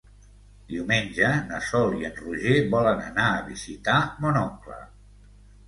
Diumenge na Sol i en Roger volen anar a visitar mon oncle.